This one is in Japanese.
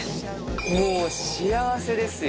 もう幸せですよ。